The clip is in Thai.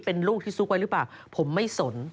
เป็นลูกที่ซุกไว้หรือเปล่าผมไม่สน